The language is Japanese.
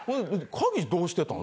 「鍵どうしてたん？」